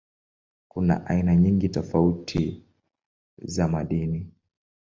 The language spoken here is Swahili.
Kuna aina nyingi tofauti za madini.